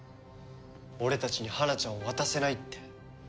俺たちに花ちゃんを渡せないって。